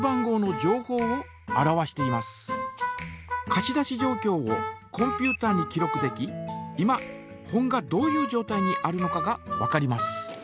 かし出しじょうきょうをコンピュータに記録でき今本がどういうじょうたいにあるのかがわかります。